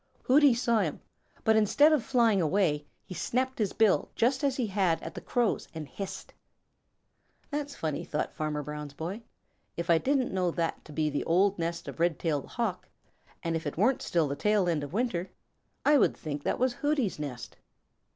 Hooty saw him, but instead of flying away, he snapped his bill just as he had at the Crows and hissed. "That's funny," thought Farmer Brown's boy. "If I didn't know that to be the old nest of Redtail the Hawk, and if it weren't still the tail end of winter, I would think that was Hooty's nest."